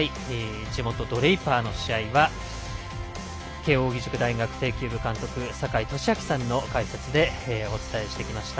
地元ドレイパーの試合は慶応義塾大学庭球部監督坂井利彰さんの解説でお伝えしてきました。